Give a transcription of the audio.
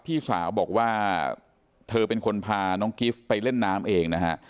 พี่สาวบอกว่าเธอเป็นคนพาน้องกิฟต์ไปเล่นน้ำเองนะฮะ